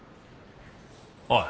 おい！